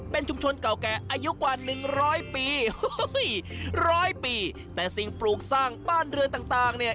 เป็นชุมชนเก่าแก่อายุกว่าหนึ่งร้อยปีร้อยปีแต่สิ่งปลูกสร้างบ้านเรือนต่างเนี่ย